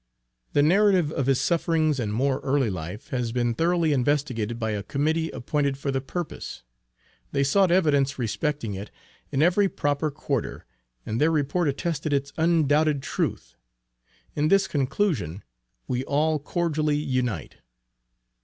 The narrative of his sufferings and more early life has been thoroughly investigated by a Committee appointed for the purpose. They sought evidence respecting it in every proper quarter, and their report attested its undoubted truth. In this conclusion we all cordially unite.